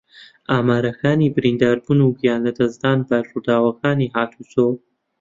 ئامارەکانی برینداربوون و گیانلەدەستدان بە ڕووداوەکانی ھاتوچۆ